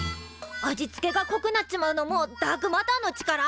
味付けがこくなっちまうのもダークマターの力？